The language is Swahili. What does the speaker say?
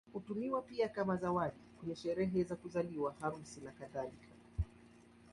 Hutumiwa pia kama zawadi kwenye sherehe za kuzaliwa, harusi, nakadhalika.